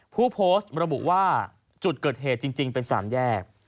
ผู้โพสต์ระบุว่าจุดเกิดเหตุจริงเป็น๓แยก